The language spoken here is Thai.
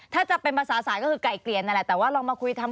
ถ้าจะเป็นภาษาศาสตร์ก็คือไก่เกลี่ยนั่นแหละ